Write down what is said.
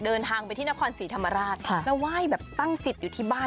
เดินทางไปที่นครศรีธรรมราชแล้วไหว้แบบตั้งจิตอยู่ที่บ้าน